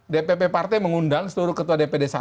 dpp partai mengundang seluruh ketua dpd satu